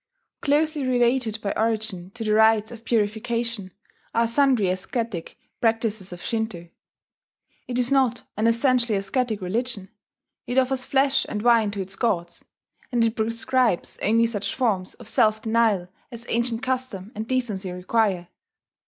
Closely related by origin to the rites of purification are sundry ascetic practices of Shinto. It is not an essentially ascetic religion: it offers flesh and wine to its gods; and it prescribes only such forms of self denial as ancient custom and decency require.